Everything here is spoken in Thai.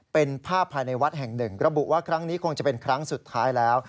เป็นภาพภายในวัดแห่งหนึ่งระบุว่าครั้งนี้คงจะเป็นครั้งสุดท้ายแล้ว